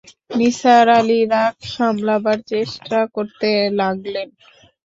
নিসার আলি রাগ সামলাবার চেষ্টা করতে লাগলেন।